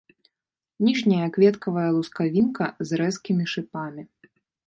Ніжняя кветкавая лускавінка з рэзкімі шыпамі.